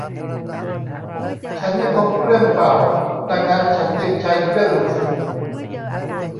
ฉันไม่พบเครื่องเป่าดังนั้นฉันจึงใช้เครื่องดูดฝุ่น